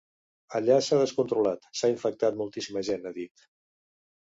Allà s’ha descontrolat, s’ha infectat moltíssima gent, ha dit.